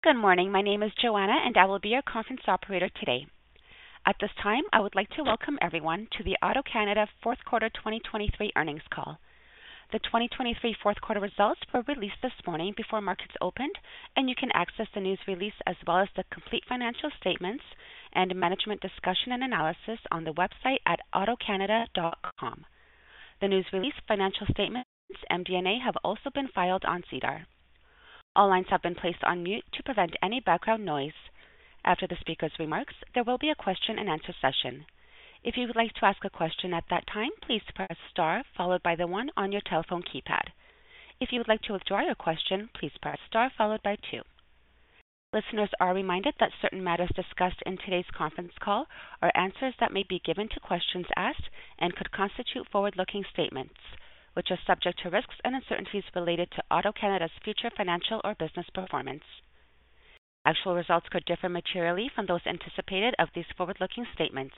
Good morning, my name is Joanna and I will be your conference operator today. At this time, I would like to welcome everyone to the AutoCanada fourth quarter 2023 earnings call. The 2023 fourth quarter results were released this morning before markets opened, and you can access the news release as well as the complete financial statements and management discussion and analysis on the website at autocanada.com. The news release, financial statements, and MD&A have also been filed on SEDAR. All lines have been placed on mute to prevent any background noise. After the speaker's remarks, there will be a question-and-answer session. If you would like to ask a question at that time, please press star followed by the one on your telephone keypad. If you would like to withdraw your question, please press star followed by two. Listeners are reminded that certain matters discussed in today's conference call are answers that may be given to questions asked and could constitute forward-looking statements, which are subject to risks and uncertainties related to AutoCanada's future financial or business performance. Actual results could differ materially from those anticipated of these forward-looking statements.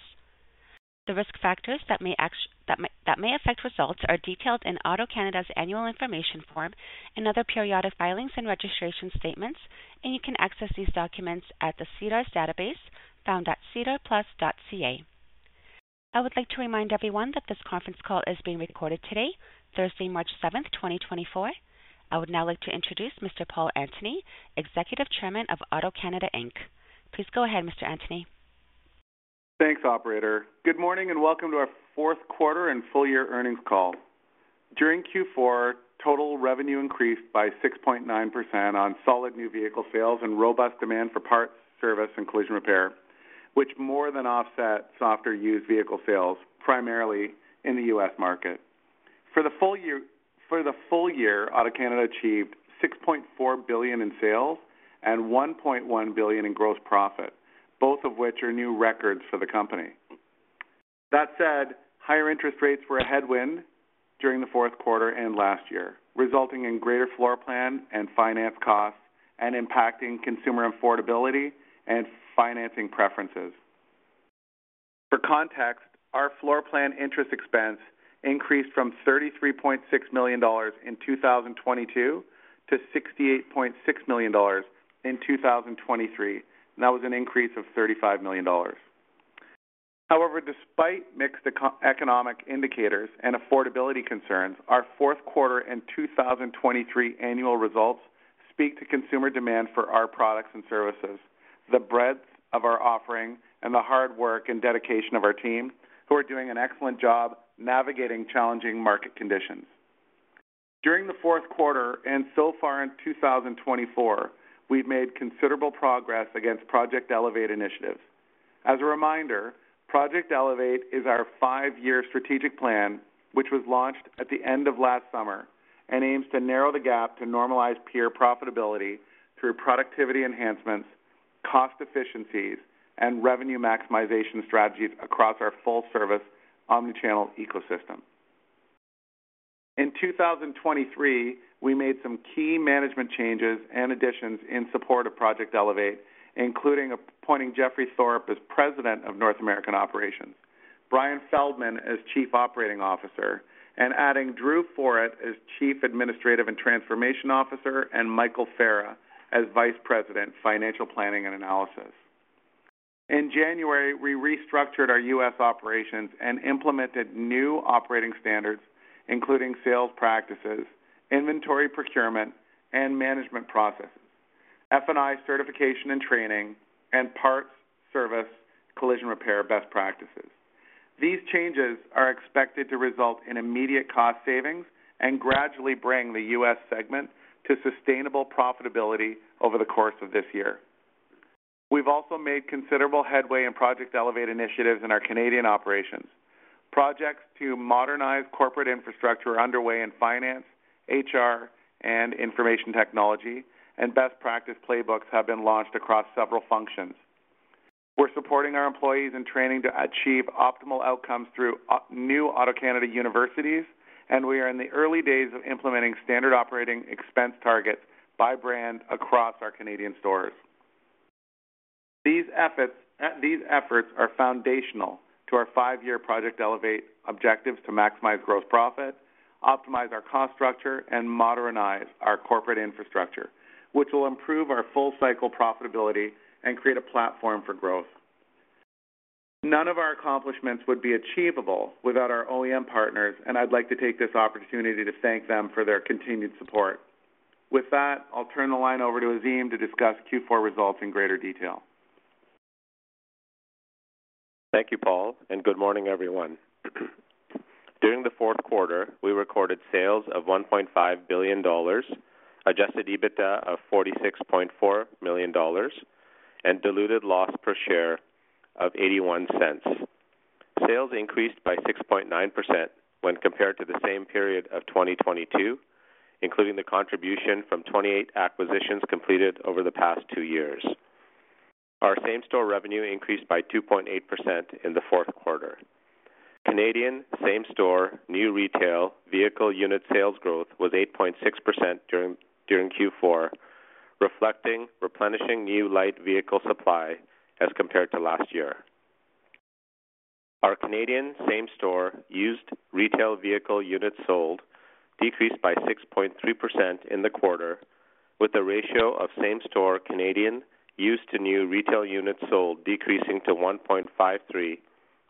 The risk factors that may affect results are detailed in AutoCanada's annual information form and other periodic filings and registration statements, and you can access these documents at the SEDAR's database found at sedarplus.ca. I would like to remind everyone that this conference call is being recorded today, Thursday, March 7th, 2024. I would now like to introduce Mr. Paul Antony, Executive Chairman of AutoCanada, Inc. Please go ahead, Mr. Antony. Thanks, operator. Good morning and welcome to our fourth quarter and full-year earnings call. During Q4, total revenue increased by 6.9% on solid new vehicle sales and robust demand for parts, service, and collision repair, which more than offset softer used vehicle sales, primarily in the U.S. market. For the full year, AutoCanada achieved 6.4 billion in sales and 1.1 billion in gross profit, both of which are new records for the company. That said, higher interest rates were a headwind during the fourth quarter and last year, resulting in greater floor plan and finance costs and impacting consumer affordability and financing preferences. For context, our floor plan interest expense increased from 33.6 million dollars in 2022 to 68.6 million dollars in 2023, and that was an increase of 35 million dollars. However, despite mixed economic indicators and affordability concerns, our fourth quarter and 2023 annual results speak to consumer demand for our products and services, the breadth of our offering, and the hard work and dedication of our team who are doing an excellent job navigating challenging market conditions. During the fourth quarter and so far in 2024, we've made considerable progress against Project Elevate initiatives. As a reminder, Project Elevate is our five-year strategic plan, which was launched at the end of last summer and aims to narrow the gap to normalize peer profitability through productivity enhancements, cost efficiencies, and revenue maximization strategies across our full-service omnichannel ecosystem. In 2023, we made some key management changes and additions in support of Project Elevate, including appointing Jeffrey Thorpe as President of North American Operations, Brian Feldman as Chief Operating Officer, and adding Drew Forret as Chief Administrative and Transformation Officer and Michael Fera as Vice President, Financial Planning and Analysis. In January, we restructured our U.S. operations and implemented new operating standards, including sales practices, inventory procurement, and management processes, F&I certification and training, and parts, service, collision repair best practices. These changes are expected to result in immediate cost savings and gradually bring the U.S. segment to sustainable profitability over the course of this year. We've also made considerable headway in Project Elevate initiatives in our Canadian operations. Projects to modernize corporate infrastructure are underway in finance, HR, and information technology, and best practice playbooks have been launched across several functions. We're supporting our employees in training to achieve optimal outcomes through new AutoCanada universities, and we are in the early days of implementing standard operating expense targets by brand across our Canadian stores. These efforts are foundational to our five-year Project Elevate objectives to maximize gross profit, optimize our cost structure, and modernize our corporate infrastructure, which will improve our full-cycle profitability and create a platform for growth. None of our accomplishments would be achievable without our OEM partners, and I'd like to take this opportunity to thank them for their continued support. With that, I'll turn the line over to Azim to discuss Q4 results in greater detail. Thank you, Paul, and good morning, everyone. During the fourth quarter, we recorded sales of 1.5 billion dollars, adjusted EBITDA of 46.4 million dollars, and diluted loss per share of 0.81. Sales increased by 6.9% when compared to the same period of 2022, including the contribution from 28 acquisitions completed over the past two years. Our same-store revenue increased by 2.8% in the fourth quarter. Canadian same-store new retail vehicle unit sales growth was 8.6% during Q4, reflecting replenishing new light vehicle supply as compared to last year. Our Canadian same-store used retail vehicle units sold decreased by 6.3% in the quarter, with the ratio of same-store Canadian used to new retail units sold decreasing to 1.53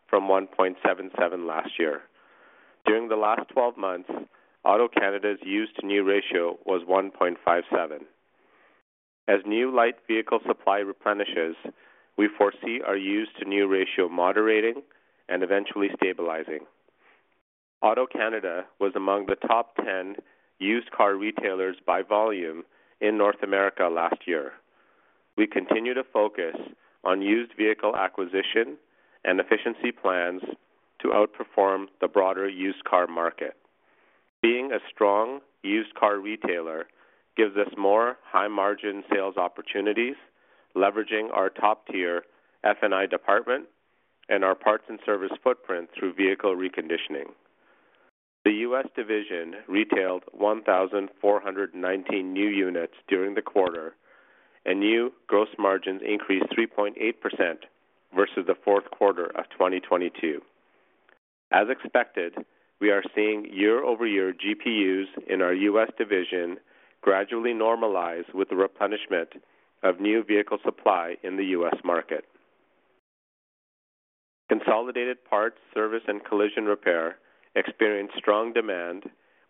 from 1.77 last year. During the last 12 months, AutoCanada's used to new ratio was 1.57. As new light vehicle supply replenishes, we foresee our used to new ratio moderating and eventually stabilizing. AutoCanada was among the top 10 used car retailers by volume in North America last year. We continue to focus on used vehicle acquisition and efficiency plans to outperform the broader used car market. Being a strong used car retailer gives us more high-margin sales opportunities, leveraging our top-tier F&I department and our parts and service footprint through vehicle reconditioning. The U.S. division retailed 1,419 new units during the quarter, and new gross margins increased 3.8% versus the fourth quarter of 2022. As expected, we are seeing year-over-year GPUs in our U.S. division gradually normalize with the replenishment of new vehicle supply in the U.S. market. Consolidated parts, service, and collision repair experienced strong demand,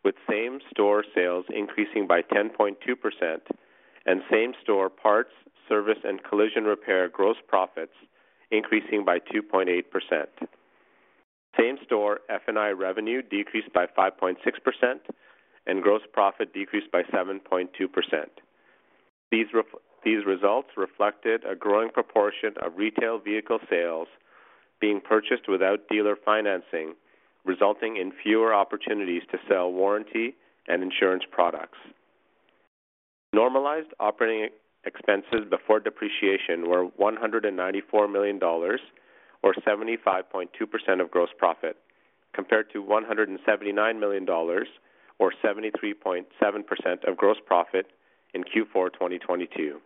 with same-store sales increasing by 10.2% and same-store parts, service, and collision repair gross profits increasing by 2.8%. Same-store F&I revenue decreased by 5.6%, and gross profit decreased by 7.2%. These results reflected a growing proportion of retail vehicle sales being purchased without dealer financing, resulting in fewer opportunities to sell warranty and insurance products. Normalized operating expenses before depreciation were 194 million dollars or 75.2% of gross profit, compared to 179 million dollars or 73.7% of gross profit in Q4 2022.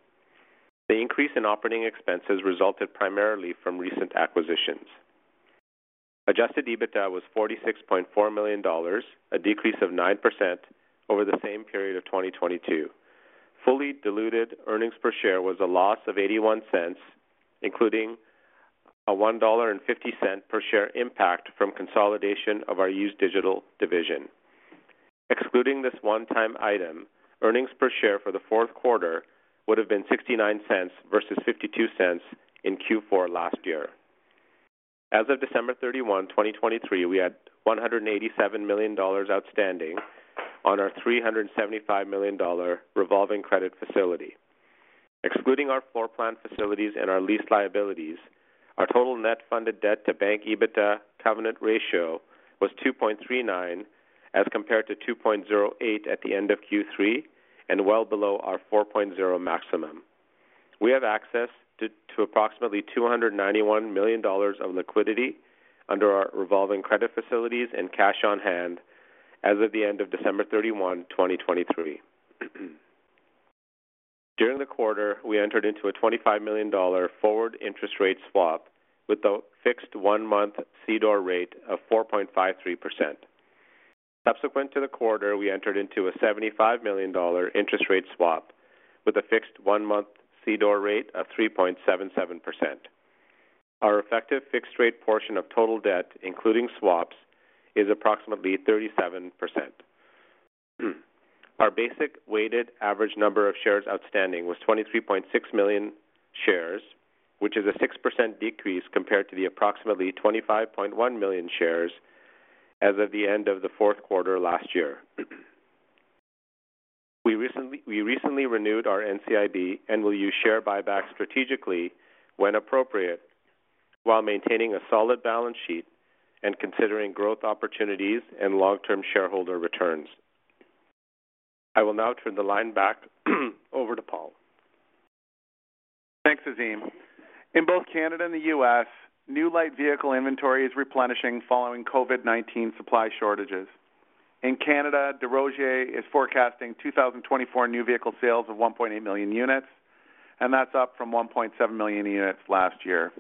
The increase in operating expenses resulted primarily from recent acquisitions. Adjusted EBITDA was 46.4 million dollars, a decrease of 9% over the same period of 2022. Fully diluted earnings per share was a loss of 0.81, including a 1.50 dollar per share impact from consolidation of our used digital division. Excluding this one-time item, earnings per share for the fourth quarter would have been 0.69 versus 0.52 in Q4 last year. As of December 31, 2023, we had 187 million dollars outstanding on our 375 million dollar revolving credit facility. Excluding our floor plan facilities and our lease liabilities, our total net funded debt to bank EBITDA covenant ratio was 2.39 as compared to 2.08 at the end of Q3 and well below our 4.0 maximum. We have access to approximately 291 million dollars of liquidity under our revolving credit facilities and cash on hand as of the end of December 31, 2023. During the quarter, we entered into a 25 million dollar forward interest rate swap with a fixed one-month CDOR rate of 4.53%. Subsequent to the quarter, we entered into a 75 million dollar interest rate swap with a fixed one-month CDOR rate of 3.77%. Our effective fixed rate portion of total debt, including swaps, is approximately 37%. Our basic weighted average number of shares outstanding was 23.6 million shares, which is a 6% decrease compared to the approximately 25.1 million shares as of the end of the fourth quarter last year. We recently renewed our NCIB and will use share buyback strategically when appropriate, while maintaining a solid balance sheet and considering growth opportunities and long-term shareholder returns. I will now turn the line back over to Paul. Thanks, Azim. In both Canada and the U.S., new light vehicle inventory is replenishing following COVID-19 supply shortages. In Canada, DesRosiers is forecasting 2024 new vehicle sales of 1.8 million units, and that's up from 1.7 million units last year.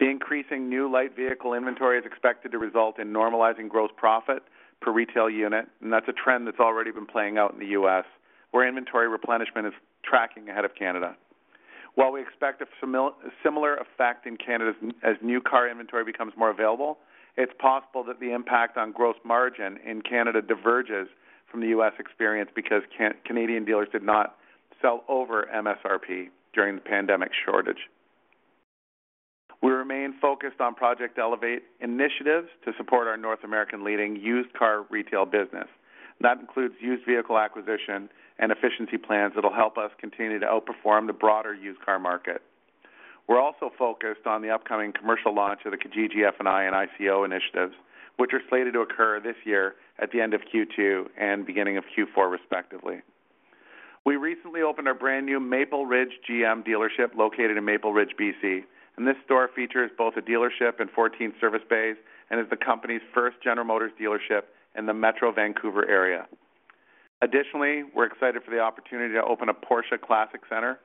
The increasing new light vehicle inventory is expected to result in normalizing gross profit per retail unit, and that's a trend that's already been playing out in the U.S., where inventory replenishment is tracking ahead of Canada. While we expect a similar effect in Canada as new car inventory becomes more available, it's possible that the impact on gross margin in Canada diverges from the U.S. experience because Canadian dealers did not sell over MSRP during the pandemic shortage. We remain focused on Project Elevate initiatives to support our North American-leading used car retail business. That includes used vehicle acquisition and efficiency plans that'll help us continue to outperform the broader used car market. We're also focused on the upcoming commercial launch of the Kijiji F&I and ICO initiatives, which are slated to occur this year at the end of Q2 and beginning of Q4, respectively. We recently opened our brand-new Maple Ridge GM dealership located in Maple Ridge, BC, and this store features both a dealership and 14 service bays and is the company's first General Motors dealership in the Metro Vancouver area. Additionally, we're excited for the opportunity to open a Porsche Classic Center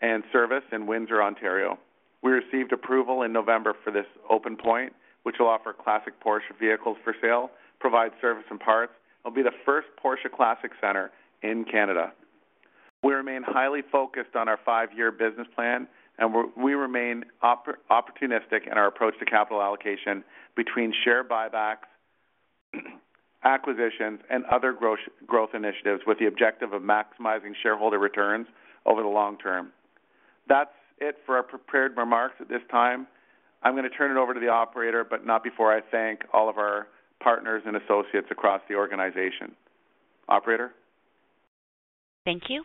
and service in Windsor, Ontario. We received approval in November for this open point, which will offer Classic Porsche vehicles for sale, provide service and parts, and will be the first Porsche Classic Center in Canada. We remain highly focused on our five-year business plan, and we remain opportunistic in our approach to capital allocation between share buybacks, acquisitions, and other growth initiatives with the objective of maximizing shareholder returns over the long term. That's it for our prepared remarks at this time. I'm going to turn it over to the operator, but not before I thank all of our partners and associates across the organization. Operator? Thank you.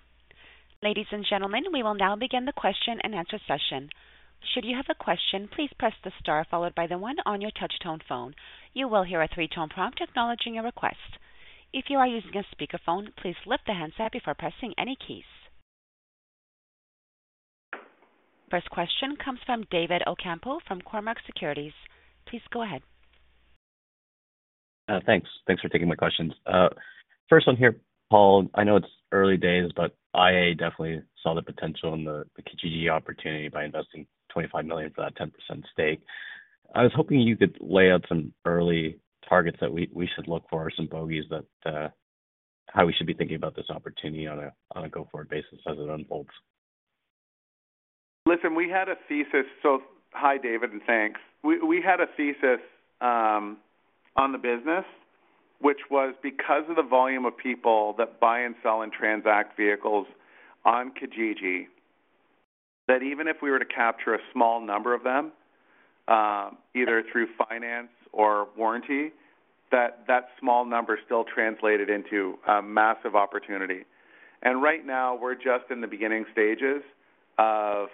Ladies and gentlemen, we will now begin the question-and-answer session. Should you have a question, please press the star followed by the one on your touchtone phone. You will hear a three-tone prompt acknowledging your request. If you are using a speakerphone, please lift the handset before pressing any keys. First question comes from David Ocampo from Cormark Securities. Please go ahead. Thanks. Thanks for taking my questions. First one here, Paul. I know it's early days, but iA definitely saw the potential in the Kijiji opportunity by investing 25 million for that 10% stake. I was hoping you could lay out some early targets that we should look for, some bogies, how we should be thinking about this opportunity on a go-forward basis as it unfolds. Listen, we had a thesis. So hi, David, and thanks. We had a thesis on the business, which was because of the volume of people that buy and sell and transact vehicles on Kijiji, that even if we were to capture a small number of them, either through finance or warranty, that small number still translated into massive opportunity. And right now, we're just in the beginning stages of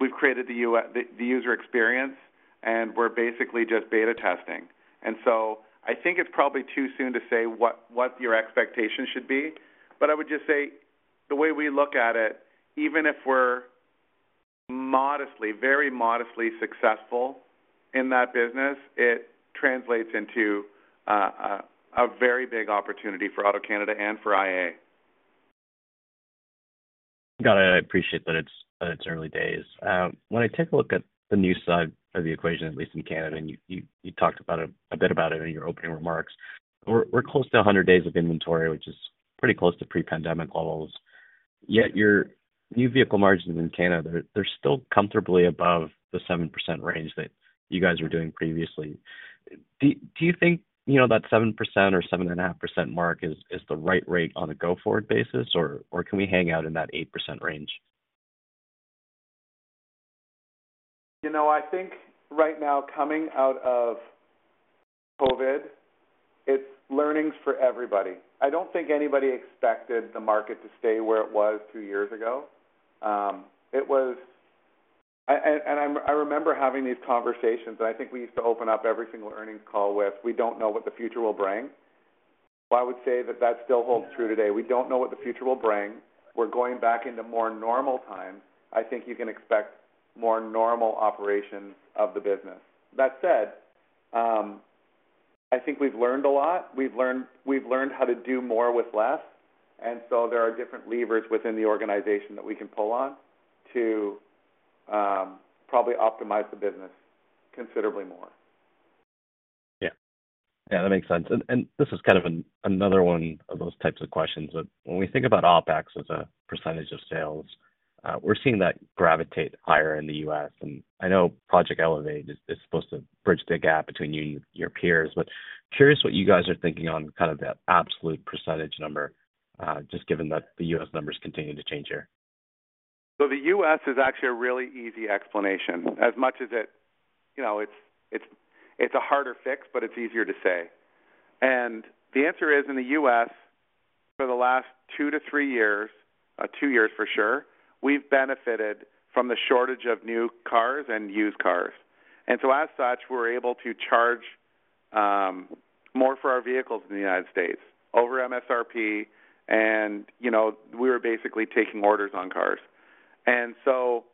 we've created the user experience, and we're basically just beta testing. And so I think it's probably too soon to say what your expectation should be, but I would just say the way we look at it, even if we're modestly, very modestly successful in that business, it translates into a very big opportunity for AutoCanada and for iA. Got it. I appreciate that it's early days. When I take a look at the new side of the equation, at least in Canada, and you talked a bit about it in your opening remarks, we're close to 100 days of inventory, which is pretty close to pre-pandemic levels. Yet your new vehicle margins in Canada, they're still comfortably above the 7% range that you guys were doing previously. Do you think that 7% or 7.5% mark is the right rate on a go-forward basis, or can we hang out in that 8% range? I think right now, coming out of COVID, it's learnings for everybody. I don't think anybody expected the market to stay where it was two years ago. I remember having these conversations, and I think we used to open up every single earnings call with, "We don't know what the future will bring." Well, I would say that that still holds true today. We don't know what the future will bring. We're going back into more normal times. I think you can expect more normal operations of the business. That said, I think we've learned a lot. We've learned how to do more with less, and so there are different levers within the organization that we can pull on to probably optimize the business considerably more. Yeah. Yeah, that makes sense. This is kind of another one of those types of questions. When we think about OpEx as a percentage of sales, we're seeing that gravitate higher in the U.S. I know Project Elevate is supposed to bridge the gap between your peers, but curious what you guys are thinking on kind of that absolute percentage number, just given that the U.S. numbers continue to change here. So the U.S. is actually a really easy explanation, as much as it's a harder fix, but it's easier to say. And the answer is, in the U.S., for the last two to three years, two years for sure, we've benefited from the shortage of new cars and used cars. And so as such, we're able to charge more for our vehicles in the United States over MSRP, and we were basically taking orders on cars. And so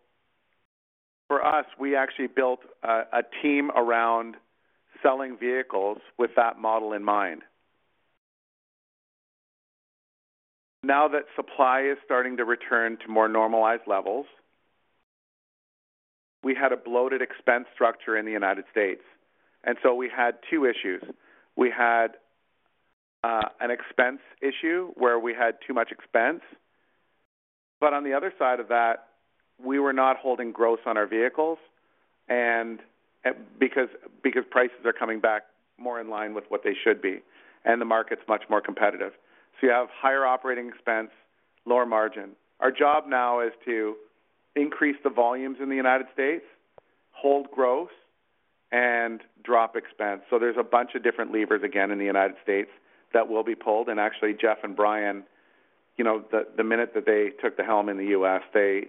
for us, we actually built a team around selling vehicles with that model in mind. Now that supply is starting to return to more normalized levels, we had a bloated expense structure in the United States. And so we had two issues. We had an expense issue where we had too much expense. But on the other side of that, we were not holding gross on our vehicles because prices are coming back more in line with what they should be, and the market's much more competitive. So you have higher operating expense, lower margin. Our job now is to increase the volumes in the United States, hold gross, and drop expense. So there's a bunch of different levers, again, in the United States that will be pulled. And actually, Jeff and Brian, the minute that they took the helm in the U.S., they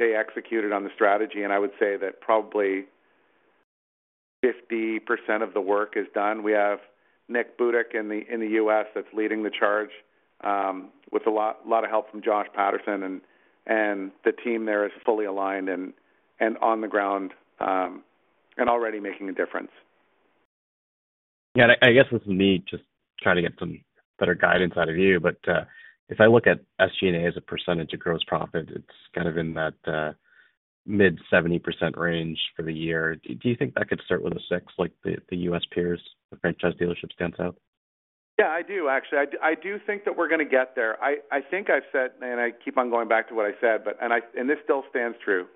executed on the strategy. And I would say that probably 50% of the work is done. We have Nick Butuc in the U.S. that's leading the charge with a lot of help from Josh Patterson, and the team there is fully aligned and on the ground and already making a difference. Yeah, and I guess this is me just trying to get some better guidance out of you. But if I look at SG&A as a percentage of gross profit, it's kind of in that mid-70% range for the year. Do you think that could start with a six, like the U.S. peers, the franchise dealerships stands out? Yeah, I do, actually. I do think that we're going to get there. I think I've said and I keep on going back to what I said, and this still stands true.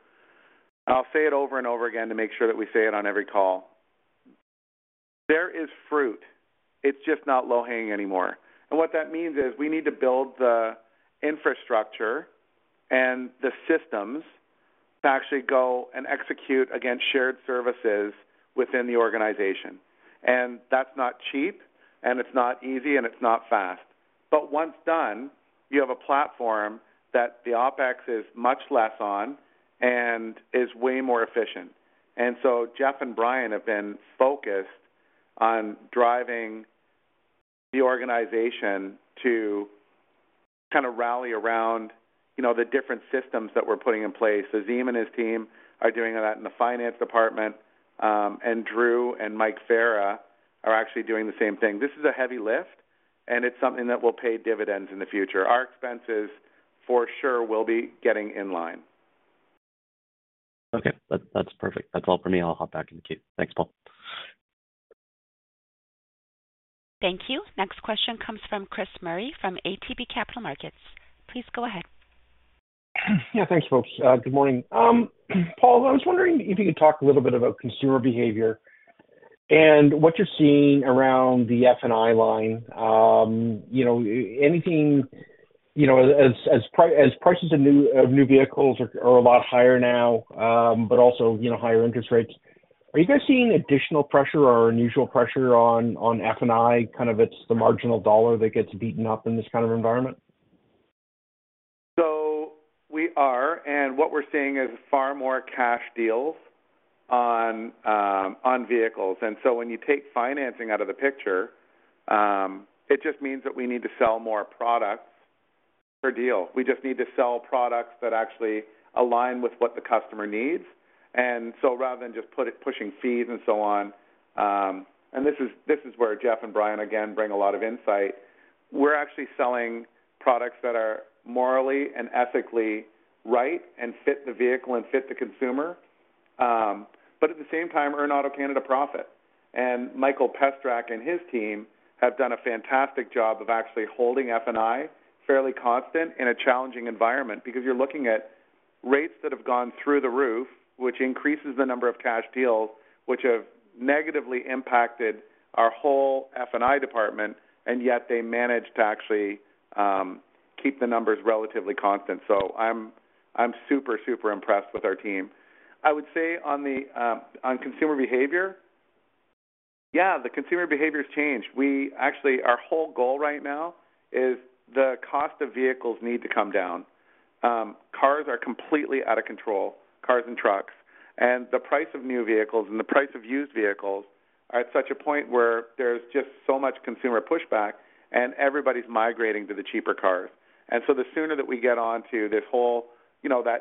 I'll say it over and over again to make sure that we say it on every call. There is fruit. It's just not low-hanging anymore. And what that means is we need to build the infrastructure and the systems to actually go and execute, again, shared services within the organization. And that's not cheap, and it's not easy, and it's not fast. But once done, you have a platform that the OpEx is much less on and is way more efficient. And so Jeff and Brian have been focused on driving the organization to kind of rally around the different systems that we're putting in place. Azim and his team are doing that in the finance department, and Drew and Mike Fera are actually doing the same thing. This is a heavy lift, and it's something that will pay dividends in the future. Our expenses for sure will be getting in line. Okay. That's perfect. That's all for me. I'll hop back in the queue. Thanks, Paul. Thank you. Next question comes from Chris Murray from ATB Capital Markets. Please go ahead. Yeah, thank you, folks. Good morning. Paul, I was wondering if you could talk a little bit about consumer behavior and what you're seeing around the F&I line. Anything as prices of new vehicles are a lot higher now, but also higher interest rates, are you guys seeing additional pressure or unusual pressure on F&I? Kind of it's the marginal dollar that gets beaten up in this kind of environment. So we are, and what we're seeing is far more cash deals on vehicles. And so when you take financing out of the picture, it just means that we need to sell more products per deal. We just need to sell products that actually align with what the customer needs. And so rather than just pushing fees and so on, and this is where Jeff and Brian, again, bring a lot of insight. We're actually selling products that are morally and ethically right and fit the vehicle and fit the consumer, but at the same time, earn AutoCanada profit. Mikel Pestrak and his team have done a fantastic job of actually holding F&I fairly constant in a challenging environment because you're looking at rates that have gone through the roof, which increases the number of cash deals, which have negatively impacted our whole F&I department, and yet they managed to actually keep the numbers relatively constant. So I'm super, super impressed with our team. I would say on consumer behavior yeah, the consumer behavior's changed. Our whole goal right now is the cost of vehicles need to come down. Cars are completely out of control, cars and trucks. The price of new vehicles and the price of used vehicles are at such a point where there's just so much consumer pushback, and everybody's migrating to the cheaper cars. The sooner that we get onto this whole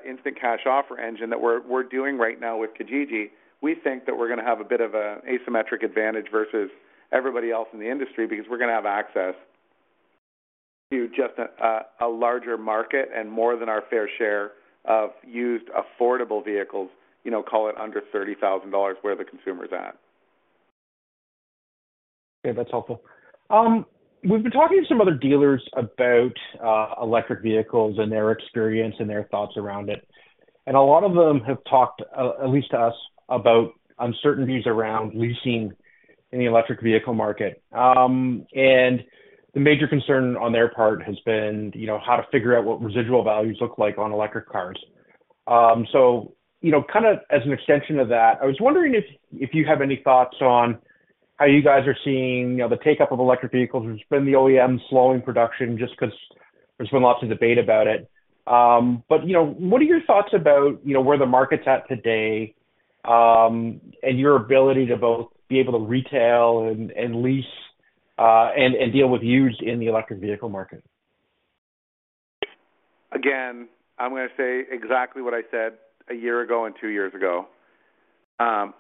instant cash offer engine that we're doing right now with Kijiji, we think that we're going to have a bit of an asymmetric advantage versus everybody else in the industry because we're going to have access to just a larger market and more than our fair share of used affordable vehicles, call it under $30,000, where the consumer's at. Okay. That's helpful. We've been talking to some other dealers about electric vehicles and their experience and their thoughts around it. A lot of them have talked, at least to us, about uncertainties around leasing in the electric vehicle market. The major concern on their part has been how to figure out what residual values look like on electric cars. So kind of as an extension of that, I was wondering if you have any thoughts on how you guys are seeing the uptake of electric vehicles. There's been the OEM slowing production just because there's been lots of debate about it. But what are your thoughts about where the market's at today and your ability to both be able to retail and lease and deal with used in the electric vehicle market? Again, I'm going to say exactly what I said a year ago and two years ago.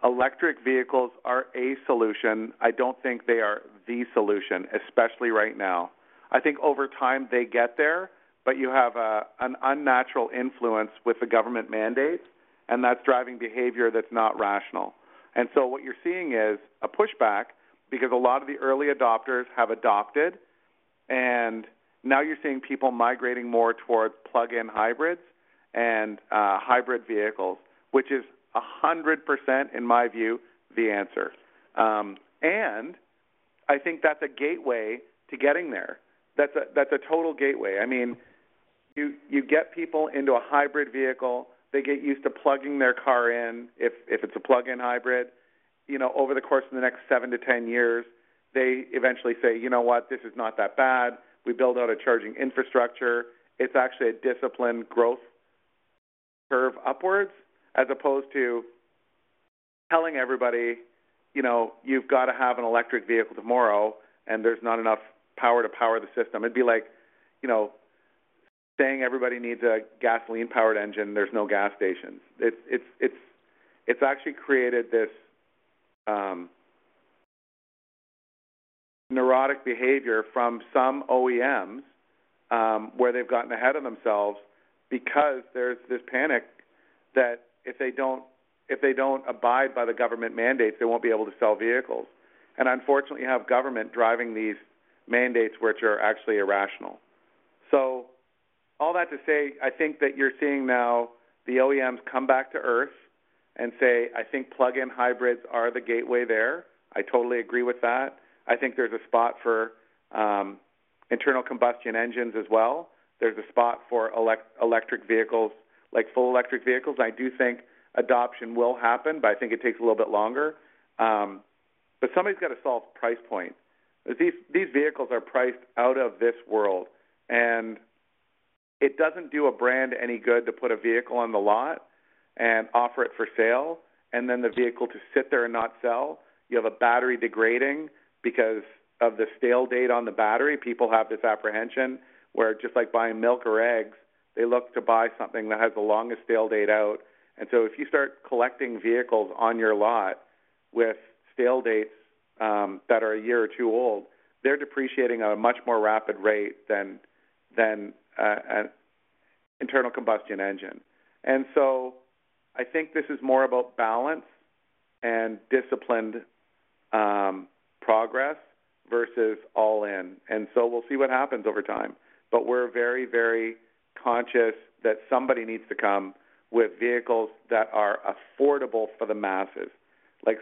Electric vehicles are a solution. I don't think they are the solution, especially right now. I think over time, they get there, but you have an unnatural influence with the government mandates, and that's driving behavior that's not rational. And so what you're seeing is a pushback because a lot of the early adopters have adopted, and now you're seeing people migrating more towards plug-in hybrids and hybrid vehicles, which is 100%, in my view, the answer. And I think that's a gateway to getting there. That's a total gateway. I mean, you get people into a hybrid vehicle. They get used to plugging their car in if it's a plug-in hybrid. Over the course of the next seven to 10 years, they eventually say, "You know what? This is not that bad. We build out a charging infrastructure." It's actually a disciplined growth curve upwards as opposed to telling everybody, "You've got to have an electric vehicle tomorrow, and there's not enough power to power the system." It'd be like saying everybody needs a gasoline-powered engine. There's no gas stations. It's actually created this neurotic behavior from some OEMs where they've gotten ahead of themselves because there's this panic that if they don't abide by the government mandates, they won't be able to sell vehicles. And unfortunately, you have government driving these mandates which are actually irrational. So all that to say, I think that you're seeing now the OEMs come back to earth and say, "I think plug-in hybrids are the gateway there." I totally agree with that. I think there's a spot for internal combustion engines as well. There's a spot for electric vehicles, like full electric vehicles. I do think adoption will happen, but I think it takes a little bit longer. But somebody's got to solve price point. These vehicles are priced out of this world, and it doesn't do a brand any good to put a vehicle on the lot and offer it for sale and then the vehicle to sit there and not sell. You have a battery degrading because of the stale date on the battery. People have this apprehension where, just like buying milk or eggs, they look to buy something that has the longest stale date out. And so if you start collecting vehicles on your lot with stale dates that are a year or two old, they're depreciating at a much more rapid rate than an internal combustion engine. And so I think this is more about balance and disciplined progress versus all in. And so we'll see what happens over time. But we're very, very conscious that somebody needs to come with vehicles that are affordable for the masses.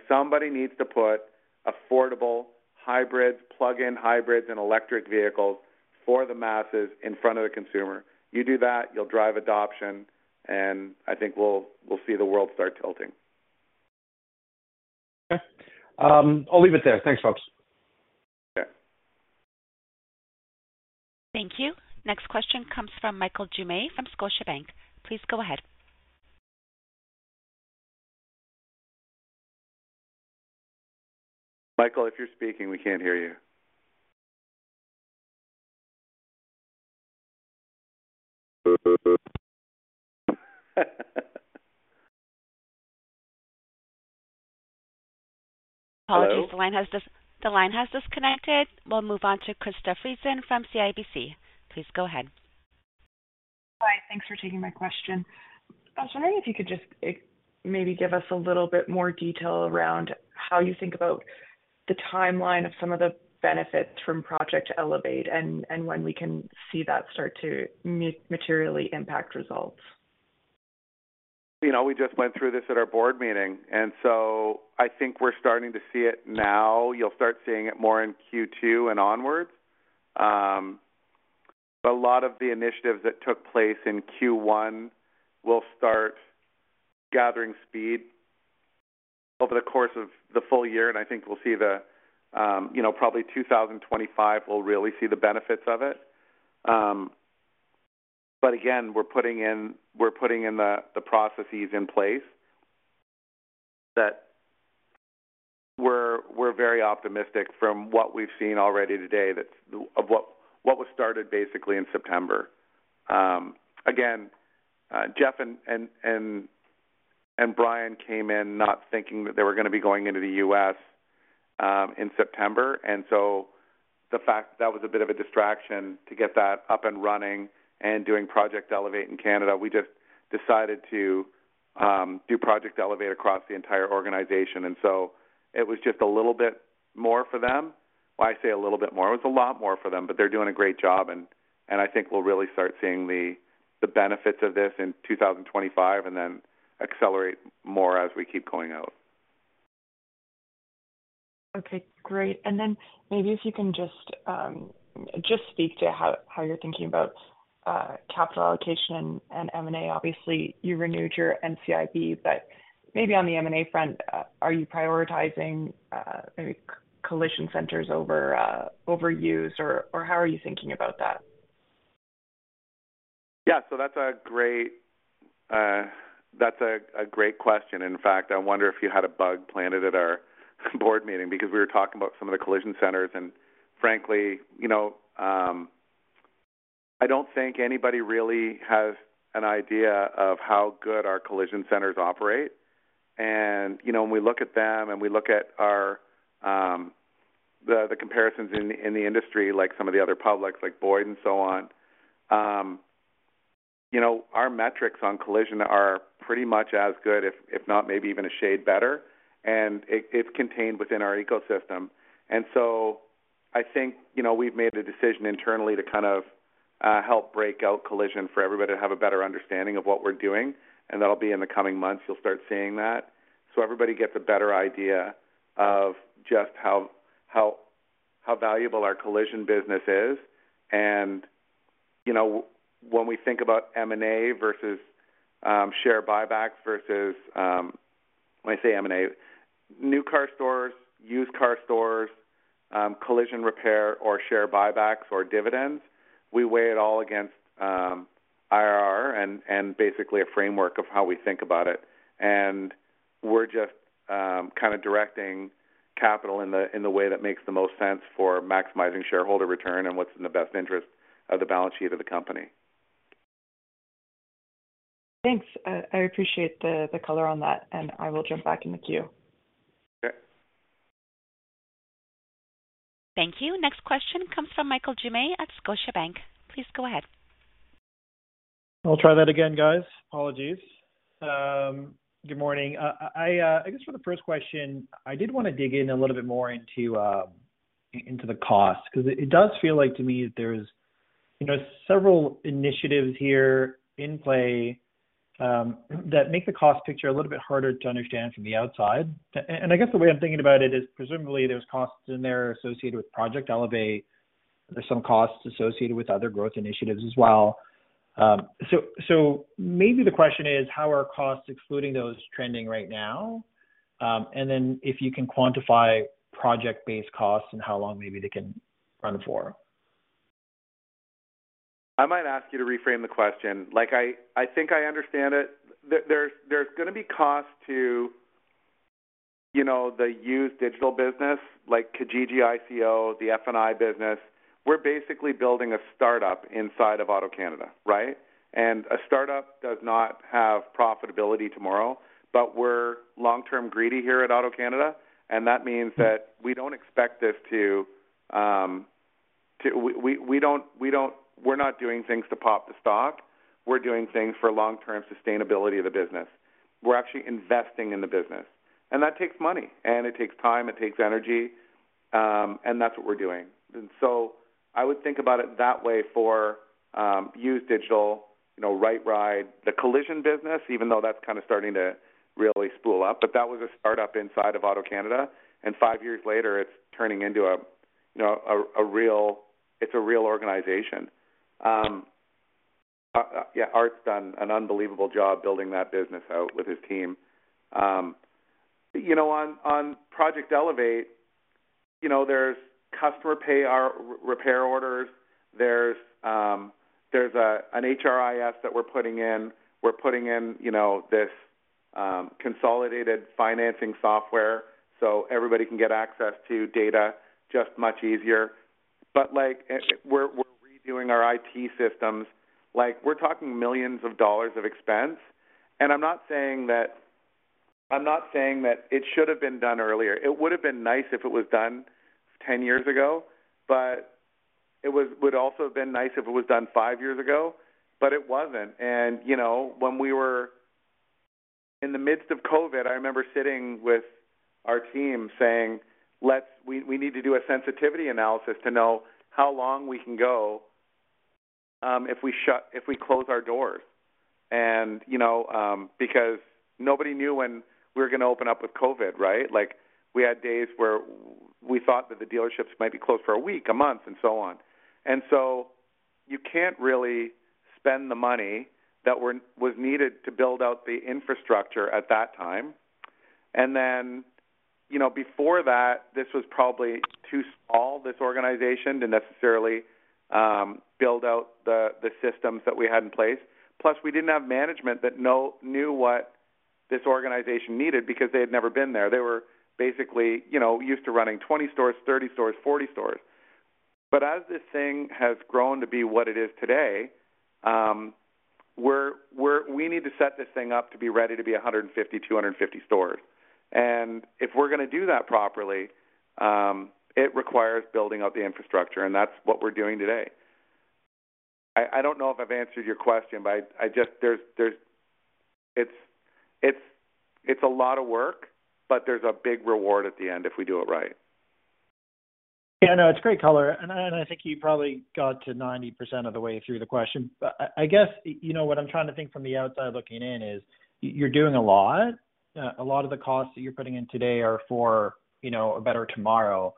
Somebody needs to put affordable hybrids, plug-in hybrids, and electric vehicles for the masses in front of the consumer. You do that, you'll drive adoption, and I think we'll see the world start tilting. Okay. I'll leave it there. Thanks, folks. Okay. Thank you. Next question comes from Michael Doumet from Scotiabank. Please go ahead. Michael, if you're speaking, we can't hear you. Apologies. The line has disconnected. We'll move on to Krista Friesen from CIBC. Please go ahead. Hi. Thanks for taking my question. I was wondering if you could just maybe give us a little bit more detail around how you think about the timeline of some of the benefits from Project Elevate and when we can see that start to materially impact results? We just went through this at our board meeting. So I think we're starting to see it now. You'll start seeing it more in Q2 and onwards. A lot of the initiatives that took place in Q1 will start gathering speed over the course of the full year, and I think we'll see the probably 2025 will really see the benefits of it. But again, we're putting in the processes in place that we're very optimistic from what we've seen already today of what was started basically in September. Again, Jeff and Brian came in not thinking that they were going to be going into the U.S. in September. So that was a bit of a distraction to get that up and running and doing Project Elevate in Canada. We just decided to do Project Elevate across the entire organization. And so it was just a little bit more for them. Why I say a little bit more? It was a lot more for them, but they're doing a great job. And I think we'll really start seeing the benefits of this in 2025 and then accelerate more as we keep going out. Okay. Great. And then maybe if you can just speak to how you're thinking about capital allocation and M&A. Obviously, you renewed your NCIB, but maybe on the M&A front, are you prioritizing maybe collision centers over used, or how are you thinking about that? Yeah. So that's a great question. In fact, I wonder if you had a bug planted at our board meeting because we were talking about some of the collision centers. And frankly, I don't think anybody really has an idea of how good our collision centers operate. And when we look at them and we look at the comparisons in the industry, like some of the other publics, like Boyd and so on, our metrics on collision are pretty much as good, if not maybe even a shade better. And it's contained within our ecosystem. And so I think we've made a decision internally to kind of help break out collision for everybody to have a better understanding of what we're doing. And that'll be in the coming months. You'll start seeing that. So everybody gets a better idea of just how valuable our collision business is. And when we think about M&A versus share buybacks versus when I say M&A, new car stores, used car stores, collision repair, or share buybacks or dividends, we weigh it all against IRR and basically a framework of how we think about it. And we're just kind of directing capital in the way that makes the most sense for maximizing shareholder return and what's in the best interest of the balance sheet of the company. Thanks. I appreciate the color on that, and I will jump back in the queue. Okay. Thank you. Next question comes from Michael Doumet at Scotiabank. Please go ahead. I'll try that again, guys. Apologies. Good morning. I guess for the first question, I did want to dig in a little bit more into the cost because it does feel like to me that there's several initiatives here in play that make the cost picture a little bit harder to understand from the outside. I guess the way I'm thinking about it is presumably there's costs in there associated with Project Elevate. There's some costs associated with other growth initiatives as well. Maybe the question is, how are costs excluding those trending right now? Then if you can quantify project-based costs and how long maybe they can run for. I might ask you to reframe the question. I think I understand it. There's going to be cost to the used digital business, like Kijiji ICO, the F&I business. We're basically building a startup inside of AutoCanada, right? And a startup does not have profitability tomorrow, but we're long-term greedy here at AutoCanada. And that means that we don't expect this to we're not doing things to pop the stock. We're doing things for long-term sustainability of the business. We're actually investing in the business. And that takes money, and it takes time. It takes energy, and that's what we're doing. And so I would think about it that way for used digital, RightRide, the collision business, even though that's kind of starting to really spool up. But that was a startup inside of AutoCanada, and five years later, it's turning into a real it's a real organization. Yeah. Art's done an unbelievable job building that business out with his team. On Project Elevate, there's customer pay repair orders. There's an HRIS that we're putting in. We're putting in this consolidated financing software so everybody can get access to data just much easier. But we're redoing our IT systems. We're talking millions dollars of expense. And I'm not saying that it should have been done earlier. It would have been nice if it was done 10 years ago, but it would also have been nice if it was done five years ago, but it wasn't. And when we were in the midst of COVID, I remember sitting with our team saying, "We need to do a sensitivity analysis to know how long we can go if we close our doors," because nobody knew when we were going to open up with COVID, right? We had days where we thought that the dealerships might be closed for a week, a month, and so on. And so you can't really spend the money that was needed to build out the infrastructure at that time. And then before that, this was probably too small, this organization, to necessarily build out the systems that we had in place. Plus, we didn't have management that knew what this organization needed because they had never been there. They were basically used to running 20 stores, 30 stores, 40 stores. But as this thing has grown to be what it is today, we need to set this thing up to be ready to be 150, 250 stores. And if we're going to do that properly, it requires building out the infrastructure, and that's what we're doing today. I don't know if I've answered your question, but it's a lot of work, but there's a big reward at the end if we do it right. Yeah. No, it's great color. And I think you probably got to 90% of the way through the question. But I guess what I'm trying to think from the outside looking in is you're doing a lot. A lot of the costs that you're putting in today are for a better tomorrow.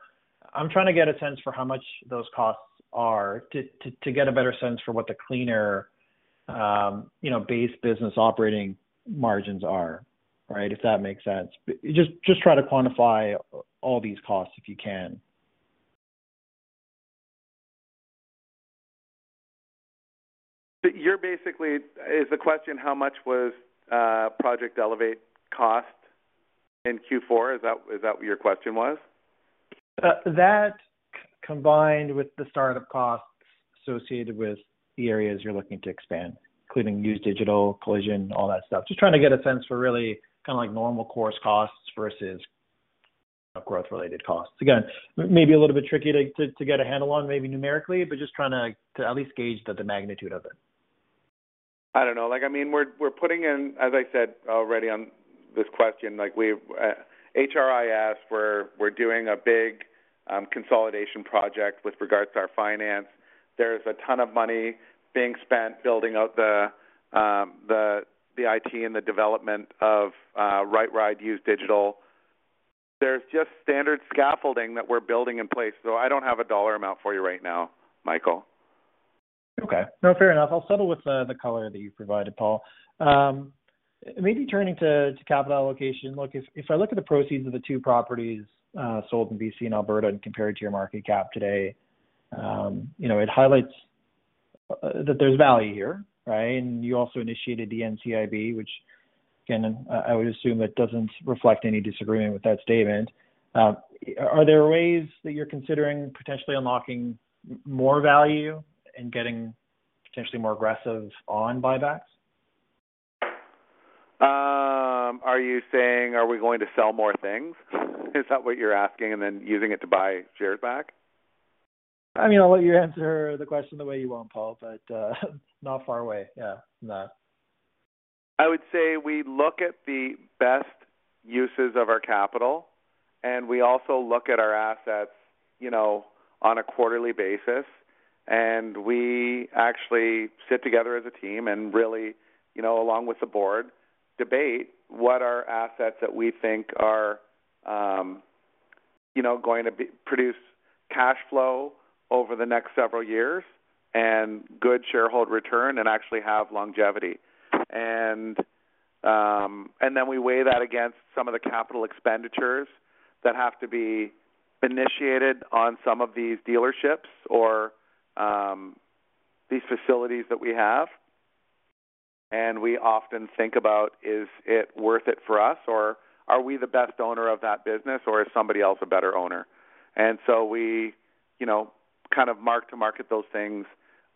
I'm trying to get a sense for how much those costs are to get a better sense for what the cleaner-based business operating margins are, right, if that makes sense. Just try to quantify all these costs if you can. Is the question how much was Project Elevate cost in Q4? Is that what your question was? That, combined with the startup costs associated with the areas you're looking to expand, including used digital, collision, all that stuff, just trying to get a sense for really kind of normal course costs versus growth-related costs. Again, maybe a little bit tricky to get a handle on, maybe numerically, but just trying to at least gauge the magnitude of it. I don't know. I mean, we're putting in, as I said already on this question, HRIS, we're doing a big consolidation project with regards to our finance. There's a ton of money being spent building out the IT and the development of RightRide used digital. There's just standard scaffolding that we're building in place. So I don't have a dollar amount for you right now, Michael. Okay. No, fair enough. I'll settle with the color that you provided, Paul. Maybe turning to capital allocation. Look, if I look at the proceeds of the two properties sold in BC and Alberta and compare it to your market cap today, it highlights that there's value here, right? And you also initiated the NCIB, which, again, I would assume it doesn't reflect any disagreement with that statement. Are there ways that you're considering potentially unlocking more value and getting potentially more aggressive on buybacks? Are you saying, "Are we going to sell more things?" Is that what you're asking, and then using it to buy shares back? I mean, I'll let you answer the question the way you want, Paul, but not far away. Yeah, from that. I would say we look at the best uses of our capital, and we also look at our assets on a quarterly basis. And we actually sit together as a team and really, along with the board, debate what are assets that we think are going to produce cash flow over the next several years and good shareholder return and actually have longevity. And then we weigh that against some of the capital expenditures that have to be initiated on some of these dealerships or these facilities that we have. And we often think about, "Is it worth it for us? Or are we the best owner of that business, or is somebody else a better owner?" And so we kind of mark-to-market those things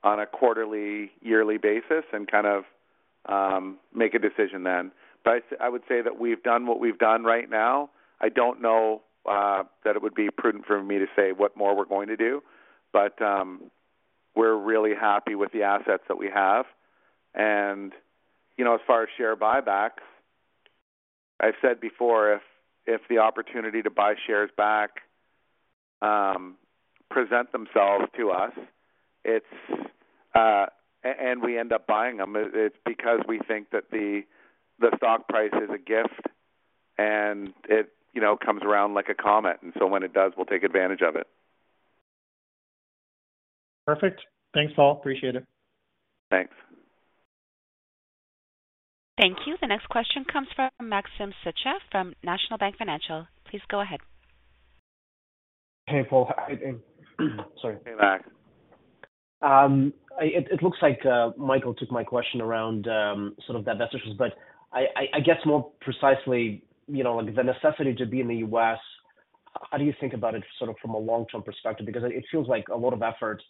on a quarterly, yearly basis and kind of make a decision then. But I would say that we've done what we've done right now. I don't know that it would be prudent for me to say what more we're going to do, but we're really happy with the assets that we have. And as far as share buybacks, I've said before, if the opportunity to buy shares back present themselves to us and we end up buying them, it's because we think that the stock price is a gift and it comes around like a comet. And so when it does, we'll take advantage of it. Perfect. Thanks, Paul. Appreciate it. Thanks. Thank you. The next question comes from Maxim Sytchev from National Bank Financial. Please go ahead. Hey, Paul. Sorry. Hey, Max. It looks like Michael took my question around sort of that vestigial, but I guess more precisely, the necessity to be in the U.S., how do you think about it sort of from a long-term perspective? Because it feels like a lot of effort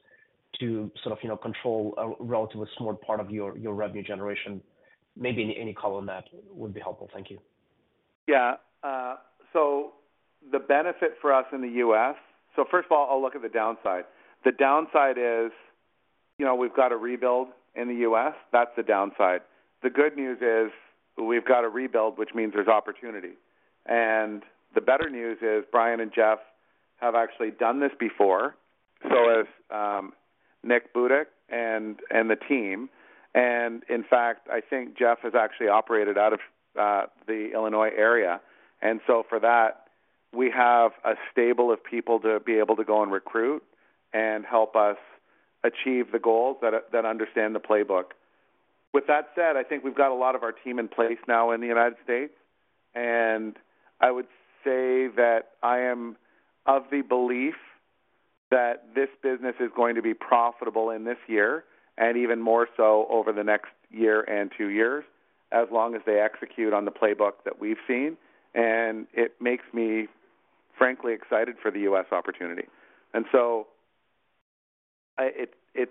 to sort of control a relatively small part of your revenue generation. Maybe any color on that would be helpful. Thank you. Yeah. So the benefit for us in the U.S. so first of all, I'll look at the downside. The downside is we've got a rebuild in the U.S.. That's the downside. The good news is we've got a rebuild, which means there's opportunity. And the better news is Brian and Jeff have actually done this before, so has Nick Butuc and the team. And in fact, I think Jeff has actually operated out of the Illinois area. And so for that, we have a stable of people to be able to go and recruit and help us achieve the goals that understand the playbook. With that said, I think we've got a lot of our team in place now in the United States. I would say that I am of the belief that this business is going to be profitable in this year and even more so over the next year and two years as long as they execute on the playbook that we've seen. It makes me, frankly, excited for the U.S. opportunity. So it's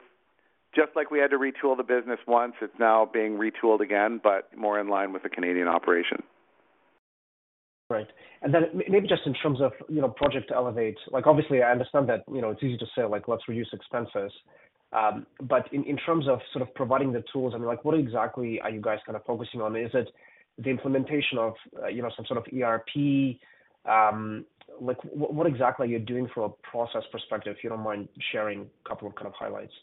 just like we had to retool the business once. It's now being retooled again, but more in line with the Canadian operation. Right. And then maybe just in terms of Project Elevate, obviously, I understand that it's easy to say, "Let's reduce expenses." But in terms of sort of providing the tools, I mean, what exactly are you guys kind of focusing on? Is it the implementation of some sort of ERP? What exactly are you doing from a process perspective? If you don't mind sharing a couple of kind of highlights?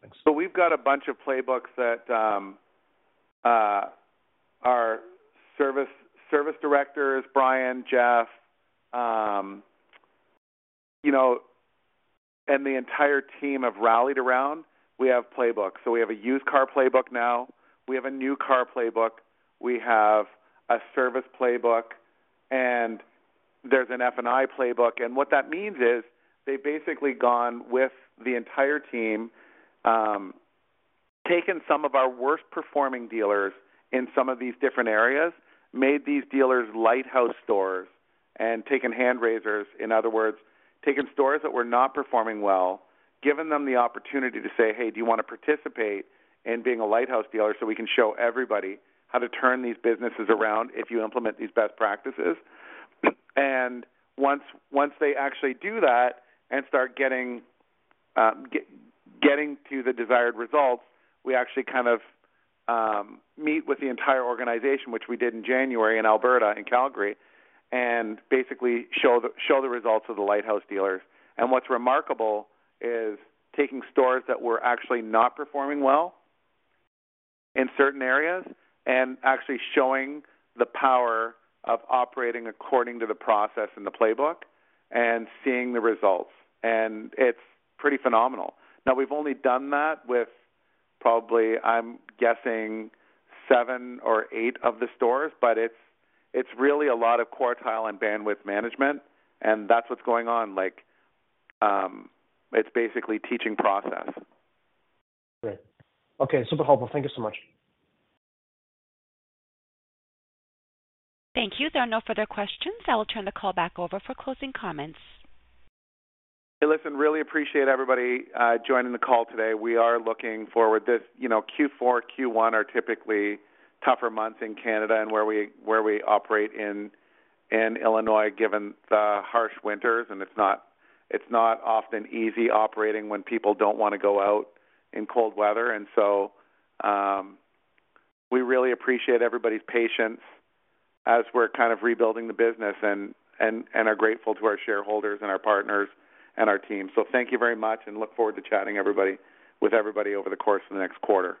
Thanks. So we've got a bunch of playbooks that our service directors, Brian, Jeff, and the entire team have rallied around. We have playbooks. So we have a used car playbook now. We have a new car playbook. We have a service playbook. And there's an F&I playbook. What that means is they've basically gone with the entire team, taken some of our worst-performing dealers in some of these different areas, made these dealers lighthouse stores, and taken handraisers, in other words, taken stores that were not performing well, given them the opportunity to say, "Hey, do you want to participate in being a lighthouse dealer so we can show everybody how to turn these businesses around if you implement these best practices?" Once they actually do that and start getting to the desired results, we actually kind of meet with the entire organization, which we did in January in Alberta, in Calgary, and basically show the results of the lighthouse dealers. What's remarkable is taking stores that were actually not performing well in certain areas and actually showing the power of operating according to the process and the playbook and seeing the results. It's pretty phenomenal. Now, we've only done that with probably, I'm guessing, seven or eight of the stores, but it's really a lot of quartile and bandwidth management. That's what's going on. It's basically teaching process. Great. Okay. Super helpful. Thank you so much. Thank you. There are no further questions. I will turn the call back over for closing comments. Hey, listen, really appreciate everybody joining the call today. We are looking forward to this Q4. Q1 are typically tougher months in Canada, and where we operate in Illinois, given the harsh winters. It's not often easy operating when people don't want to go out in cold weather. So we really appreciate everybody's patience as we're kind of rebuilding the business and are grateful to our shareholders and our partners and our team. Thank you very much, and look forward to chatting with everybody over the course of the next quarter.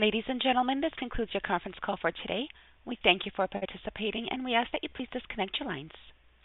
Ladies and gentlemen, this concludes your conference call for today. We thank you for participating, and we ask that you please disconnect your lines.